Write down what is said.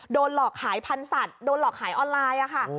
โดนหลอกขายพันธุ์สัตว์โดนหลอกขายออนไลน์ค่ะ